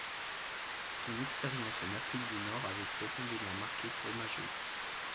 Son expérience en Afrique du Nord avait profondément marqué Fromageau.